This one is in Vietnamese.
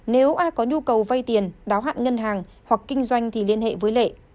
nếu ai có nhu cầu vay tiền đáo hạn ngân hàng hoặc kinh doanh thì liên hệ với lệ